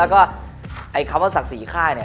แล้วก็เขาก็สั่ง๔ค่าย